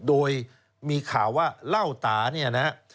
โดยมีข่าวว่าเล่าตาเนี่ยนะฮะ